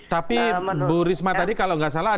tapi bu risma tadi kalau nggak salah